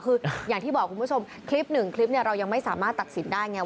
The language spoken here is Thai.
คืออย่างที่บอกคุณผู้ชมคลิปหนึ่งคลิปเนี่ยเรายังไม่สามารถตัดสินได้ไง